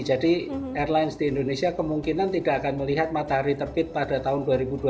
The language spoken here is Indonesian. jadi airlines di indonesia kemungkinan tidak akan melihat matahari terbit pada tahun dua ribu dua puluh satu